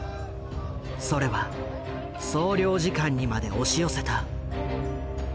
それは総領事館にまで押し寄せた。